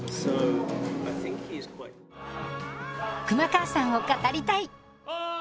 熊川さんを語りたい！